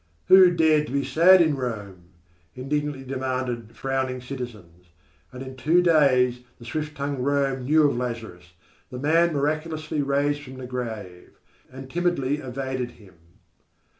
Who dared to be sad in Rome? indignantly demanded frowning citizens; and in two days the swift tongued Rome knew of Lazarus, the man miraculously raised from the grave, and timidly evaded him.